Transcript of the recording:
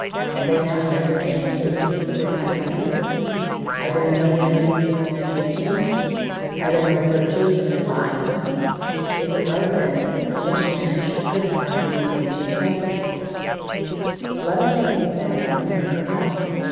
Have they not rendered any services to their countrymen? Are there no truths in their teachings? Are there no virtues in their lives? Is it right, then, that the missionary should criticise these ancient faiths? [Illustration: Conception of Trinity, Ninth Century.] Let us take an example from nearer home.